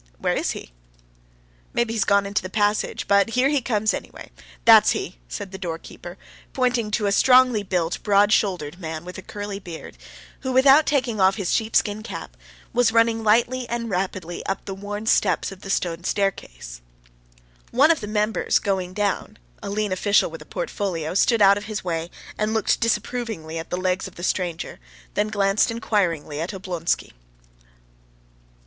"Where is he?" "Maybe he's gone into the passage, but here he comes anyway. That is he," said the doorkeeper, pointing to a strongly built, broad shouldered man with a curly beard, who, without taking off his sheepskin cap, was running lightly and rapidly up the worn steps of the stone staircase. One of the members going down—a lean official with a portfolio—stood out of his way and looked disapprovingly at the legs of the stranger, then glanced inquiringly at Oblonsky.